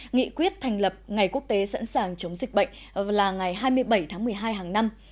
nghị quyết thành lập ngày quốc tế sẵn sàng chống dịch bệnh là ngày hai mươi bảy tháng một mươi hai hàng năm